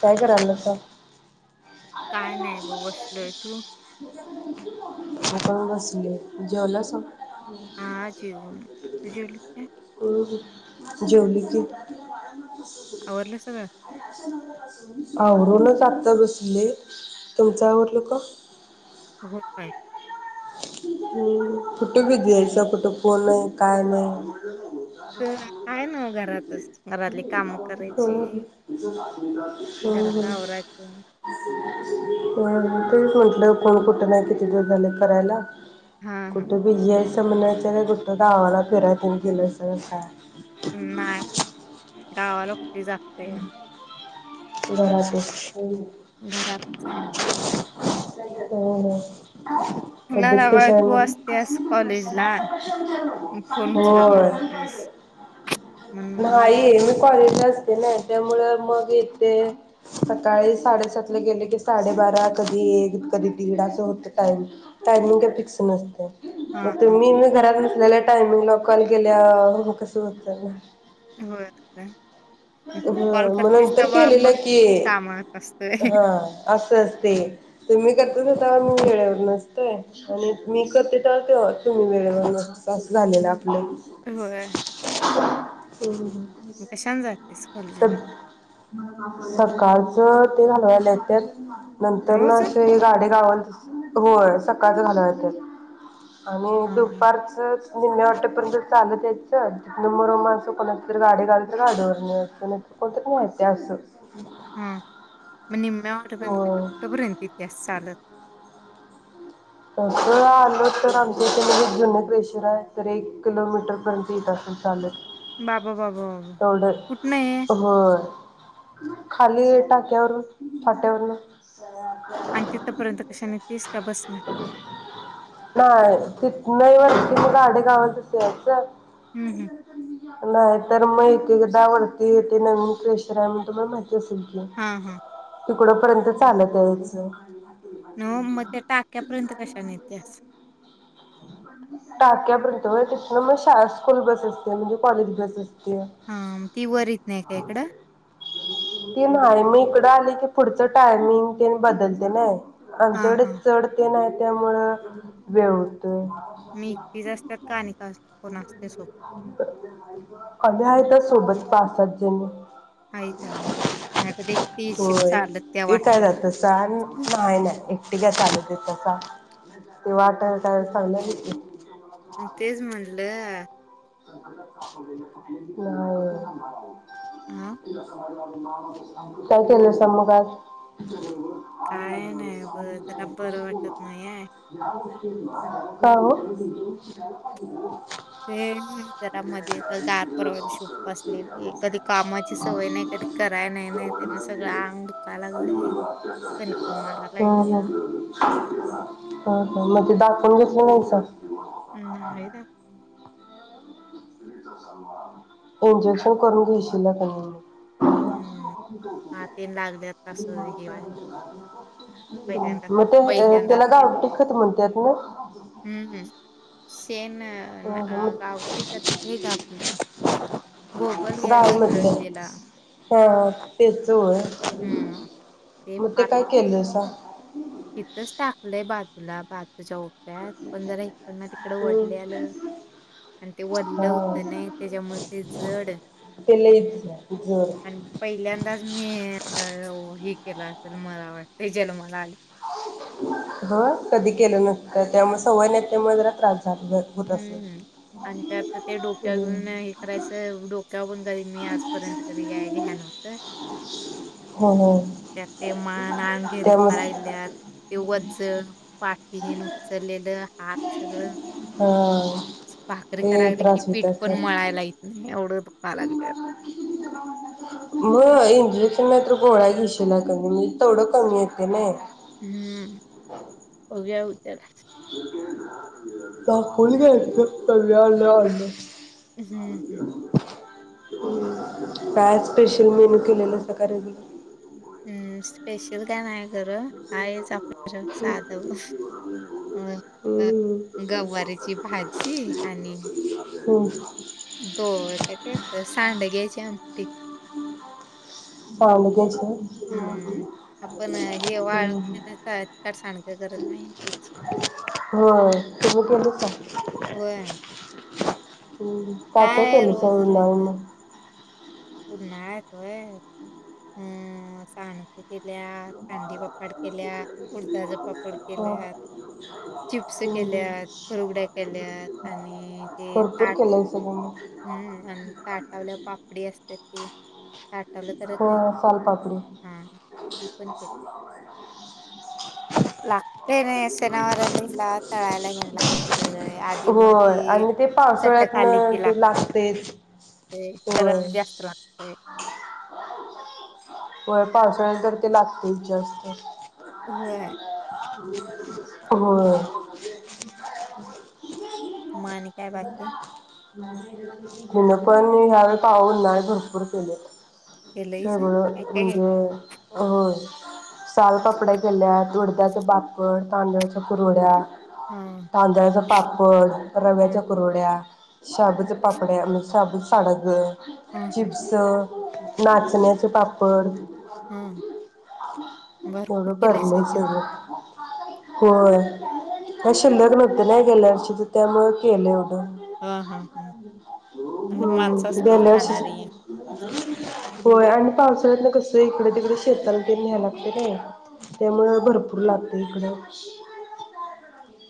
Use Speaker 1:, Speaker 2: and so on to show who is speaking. Speaker 1: काय करायलासा
Speaker 2: काय नाही ब बसलोय तू
Speaker 1: आता मी बसले जेवलासा
Speaker 2: हा जेवून तू जेवलीस काय
Speaker 1: हम जेवली की [inaudible] अर
Speaker 2: आवरलं सगळं?
Speaker 1: असं आवरूनच आता बसलोय तुमच आवरल का?
Speaker 2: होय.
Speaker 1: हं. फुटो भी दयायचा कुठं फोन नाही काय नाही.
Speaker 2: तर हाय नव्हं घरातच घरातली काम करायची
Speaker 1: हम्म हम्म
Speaker 2: घरातलं
Speaker 1: हम्म
Speaker 2: आवरायच.
Speaker 1: तेच म्हंटलं फोन कुठं नाही किती दिवस झालं करायला.
Speaker 2: हा हा
Speaker 1: कुठ बिजी हाईस. [unintelligible] कुठं गावाला फिराय तेनं गेलायसा का काय?
Speaker 2: नाही. गावाला कुठं ली जात्या.
Speaker 1: [unintelligible] हो.
Speaker 2: घरातच आहे ना.
Speaker 1: हं हं.
Speaker 2: तुला
Speaker 1: तबेत
Speaker 2: लावा
Speaker 1: कशी हाय
Speaker 2: तू असतेस
Speaker 1: मगं?
Speaker 2: कॉलेजला फोन उचलत
Speaker 1: होय.
Speaker 2: नाहीस. म्हणून मग
Speaker 1: नाही मी कॉलेजलाच- - ते नाही त्यामुं मग येथे सकाळी साडेसातला गेलं की साडेबारा कधी एक कधी दीड असं होतं टाइम टायमिंग काय फिक्स नसतयं.
Speaker 2: हा
Speaker 1: मग
Speaker 2: हा
Speaker 1: तुम्ही मी घरात नसलेला - - टायमिंगला कॉल केल्याव म कस होत ना.
Speaker 2: होय काय.
Speaker 1: ह
Speaker 2: तू कॉल
Speaker 1: मग
Speaker 2: करतेस
Speaker 1: नंतर
Speaker 2: तेव्हा
Speaker 1: केलेलं
Speaker 2: मग
Speaker 1: की
Speaker 2: मी कामात असतोय.
Speaker 1: हा, असं अस ते तुम्ही करतच होता. मीे - - [unintelligible] नसतोय आणि मी करते तुम्ही वेळेवर नसता असं झालेलं आप लं.
Speaker 2: होय
Speaker 1: हम्.
Speaker 2: कशान जाय
Speaker 1: तर [unintelligible] सकाळचं ते घालवायला येत्यात. नंतरन
Speaker 2: रोज?
Speaker 1: असे हे गाडी गाव - - होय. सकाळचं घालवायला येत्यात. आणि
Speaker 2: हा
Speaker 1: दुपारचचं- - निम्म्या वाटपर्यंत चालत यायचं तितनं [unintelligible] कोणाचं तरी गाडी गावली - - तर गाडीवरन यायचं नाहीतर कोणतर न्हायं येतयं अस
Speaker 2: हम. मग निम्म्या वाटपर्यंत म्हणजे
Speaker 1: होय
Speaker 2: कुठं पर्यंत इतियास चालत?
Speaker 1: तसं आलो तर आमच्या इथ जुने क्लेशर हाय तर एक किलोमीटर पर्यंत ईत असंल चालतं.
Speaker 2: बाबू बाबू
Speaker 1: तेढ हो खाली टाक्यावरवरून पाट्यावरून
Speaker 2: आणि तिथपर्यंत कशाने तीस क
Speaker 1: नाही त नाही म्ह त गडे गावायचंचं
Speaker 2: हं हं
Speaker 1: नाही. तर माहिती आहे. ग दावडती येते नवीन केशरा म्हण म माहि तस घ
Speaker 2: हां हां
Speaker 1: तुिकड पर्यंत चालत याचं.
Speaker 2: हो म ते टाक्या प्रिंट कशाने येत्या
Speaker 1: टाक्यापर्यंत तिथ मग श स्कूल बस असते म्हणजे कॉलेज बस असते.
Speaker 2: हां मग ती वर येत नाही का इकडं
Speaker 1: त नाय मी इकडे पुढ आली की पुढच टायमिंग कि बदलते नाही
Speaker 2: हां
Speaker 1: आमच्याकडे
Speaker 2: हां
Speaker 1: चड ते नाही त्यामुळं वेळ होतोय.
Speaker 2: मी एकटीच असतात का आणि का कोण असते सोबत
Speaker 1: अन्यायता सोबत पास सजजेने
Speaker 2: आहेत अगं नाहीतर एकटी येशील
Speaker 1: होय
Speaker 2: चालत त्या
Speaker 1: ए काय
Speaker 2: वाटेने
Speaker 1: जात स
Speaker 2: हं,
Speaker 1: नाहीय ना होय ते नाही नाही ते वाट काय ले ह
Speaker 2: तेज म्हल म्हटलं.
Speaker 1: ह [unintelligible] [unintelligible]
Speaker 2: हां
Speaker 1: काय केलं स मग आज आ सा
Speaker 2: काय
Speaker 1: स
Speaker 2: नाही बघ जरा बरं
Speaker 1: कष्ट
Speaker 2: वाटत नाही आहे
Speaker 1: का हो [unintelligible] अ म
Speaker 2: ते जरा मध्ये येतं गार परवा दिवशी उपवास लेली कधी कामाची सवय नाही, कधी कराय नाही, नाही त्यानं सगळं अंग दुखायला लागलंय. कणकण मारायला लागल्या.
Speaker 1: मानजे बाकी स घेतलं नाहीच.
Speaker 2: नाई दाख
Speaker 1: इंजेक्शन करून घेशीला क नाई
Speaker 2: हम्म. हात तेन लागल्यात असं हे
Speaker 1: मग
Speaker 2: व्हाय पहिल्यांदा
Speaker 1: मग ते अ
Speaker 2: पहिल्यांदाच
Speaker 1: त्याला
Speaker 2: केलं
Speaker 1: गावठी खत म्हणत्यात नाई.
Speaker 2: तेन ना अ गावटी का ते हे आपलं
Speaker 1: गाय
Speaker 2: गोबरगॅस
Speaker 1: म्हटले
Speaker 2: उलटलेला
Speaker 1: हा तेच होय
Speaker 2: हम्म.
Speaker 1: मग ते काय केलसा?
Speaker 2: इथच टाकलंय बाज बाजूला मच्या ओप्यात पण जरा हिकडन तिकडं
Speaker 1: हम्म
Speaker 2: वाढल्याय आणि ते वडलं होत
Speaker 1: हा
Speaker 2: नाही त्याज्यामुळं ते जड
Speaker 1: ते लईच जर
Speaker 2: आणि पहिल्यांदाच मी अ हे के केला असेल मला वाटतंय जन्माला आल्या
Speaker 1: होय कधी केलं नसतं त्यामुळे सवय नाई त्यामुळं जरा त्रास झाला होत असेल
Speaker 2: हम्म आणि त्यात आता डोक्याव
Speaker 1: हम्म.
Speaker 2: घेऊन हे करायचं डोक्यावर मी आजपर्यंत कधी काय घ्याय नव्हत
Speaker 1: हो हो
Speaker 2: त्यात ते मान, अंग हेन दुकाय
Speaker 1: त्यामुळे
Speaker 2: लागल्यात ते वज्ज पा तिहीन उचललेलं हात सगळं
Speaker 1: हा
Speaker 2: भाकरी
Speaker 1: ते
Speaker 2: करायलं कि
Speaker 1: त्रास होत
Speaker 2: पीठ पण
Speaker 1: असेल
Speaker 2: मळायला ईत नाही एवढं दुख दुखाय लागलंय आता.
Speaker 1: मग इंजेक्शन नाई तर गोळ्या घेशीला क नाई म्ह तेवडं कमी येतयं नाही.
Speaker 2: हम्म बघूया उद्याला.
Speaker 1: दाखवून घ्यायचं कमी आल आलं.
Speaker 2: हम्म हम्म.
Speaker 1: काय आज स्पेशल मेनू केलेलासा काय रेगुलर?
Speaker 2: हम्म स्पेशल काय नाय. अ
Speaker 1: हम्म.
Speaker 2: गवारीची भाजी आणि
Speaker 1: हो.
Speaker 2: दो अ काय ते अ सांडग्याची आमटी,
Speaker 1: सांडग्याचे होय
Speaker 2: हम आपण हे वळवण्यातच टाळत्यात सांडगे
Speaker 1: हो तुम्ही
Speaker 2: होय
Speaker 1: केलीसा. काय काय केलीसा
Speaker 2: रोज
Speaker 1: उन्हाळी
Speaker 2: रोज
Speaker 1: मग?
Speaker 2: उन्हाळ्यात होय अ सांडग के केल्यात, हंडी पापड केल्या, उडदाच पापड
Speaker 1: हा
Speaker 2: केल्यात, चिप्स केल्यात,
Speaker 1: हम्म
Speaker 2: कुरवड्या केल्यात आणि ते ताट
Speaker 1: हम्म.
Speaker 2: ते काठवलं करत नाहीत
Speaker 1: सोनपापडी
Speaker 2: हा मी पण केल लागतय नाही सणावाराला ह्यला तळायला हेण लागतय आधी मधी चट
Speaker 1: [unintelligible] व्ह्य ते लागतयच
Speaker 2: ते सरांना जास्त लागतय
Speaker 1: होय पावसाळ्याला तर ते लागतयच जास्त
Speaker 2: होय
Speaker 1: [inaudible] होय
Speaker 2: मा आणि काय बाकी
Speaker 1: हिन पण ह्यावेवेळी पाहून नाही भरपूर केले
Speaker 2: हे लयस [inaudible]
Speaker 1: जे [inaudible] होय साल पपड्या केल्या दोडक्याच्या पापड तांदळाच्या कुरड्या
Speaker 2: हा
Speaker 1: तांदळा्याचा पापड
Speaker 2: हा
Speaker 1: रव्याच्या करूड्या शाबु च्या पापड्या म्हंजे शबु च सांडग
Speaker 2: हा हा
Speaker 1: चिप्स नाचण्याचे पापड पड
Speaker 2: हा भरपूर
Speaker 1: एवढं
Speaker 2: केिलेयस
Speaker 1: भरलंय
Speaker 2: की म
Speaker 1: सगळं. होय कशी लग्न होते नाही गेल्यावरष तर त्यामु केले य
Speaker 2: हा हा हा म्हजे
Speaker 1: हम्म.
Speaker 2: माणसं असतील
Speaker 1: गेल्या
Speaker 2: खाणारी
Speaker 1: वर्षीच होय आणि पावसा यन कस इकडे तिकडे शेताला ते न्यायला लागतय नाही त्यामुळे भरपूर लागते इकड [inaudible]